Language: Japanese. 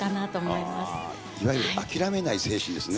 いわゆる諦めない精神ですね。